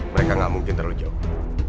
mereka nggak mungkin terlalu jauh